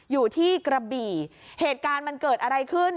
อยู่ที่กระบี่เหตุการณ์มันเกิดอะไรขึ้น